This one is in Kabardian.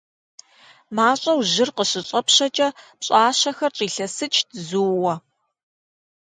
МащӀэу жьыр къыщыщӀэпщэкӀэ пщӀащэхэр щӀилъэсыкӀт зууэ.